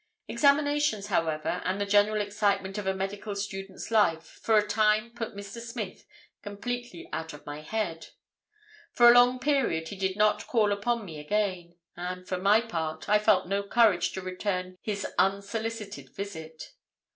"Examinations, however, and the general excitement of a medical student's life for a time put Mr. Smith completely out of my head. For a long period he did not call upon me again, and for my part, I felt no courage to return his unsolicited visit.